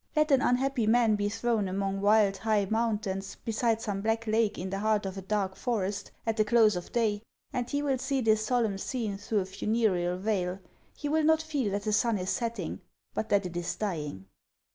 Let an unhappy man be thrown among wild, high mountains beside some black lake in the heart of a dark forest, at the close of day, and he will see this solemn scene through a funereal veil ; he will not feel that the sun is setting, but that it is dying.